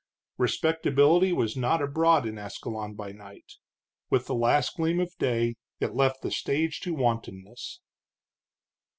Respectability was not abroad in Ascalon by night. With the last gleam of day it left the stage to wantonness.